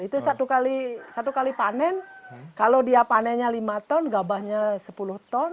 itu satu kali panen kalau dia panennya lima ton gabahnya sepuluh ton